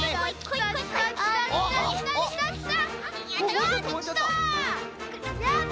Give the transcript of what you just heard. やった！